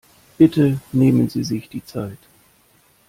Bitte nehmen sie sich die Zeit.